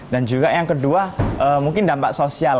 dan juga yang kedua mungkin dampak sosial